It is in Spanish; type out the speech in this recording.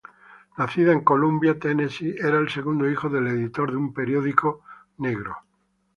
Nacido en Columbia, Tennessee, era el segundo hijo del editor de un periódico negro.